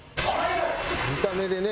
見た目でね